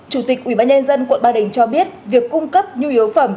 chủ tịch ủy ban nhân dân quận ba đình cho biết việc cung cấp nhu yếu phẩm